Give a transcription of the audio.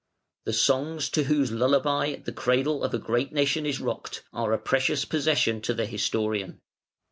The songs to whose lullaby the cradle of a great nation is rocked are a precious possession to the historian.